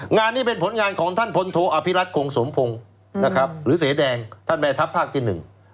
งานนี้เป็นผลงานของท่านพลโทอภิรัตคงสมพงศ์นะครับหรือเสแดงท่านแม่ทัพภาคที่หนึ่ง